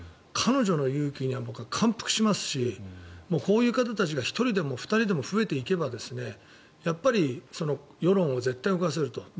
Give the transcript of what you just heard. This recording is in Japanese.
彼女の勇気には僕は感服しますしこういう方たちが１人でも２人でも増えていけばやっぱり世論を絶対に動かせると。